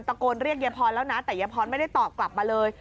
ตะโกนเรียกยายพรแล้วนะแต่ยายพรไม่ได้ตอบกลับมาเลย